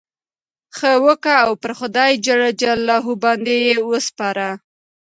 ښه وکه! او پر خدای جل جلاله باندي ئې وسپاره.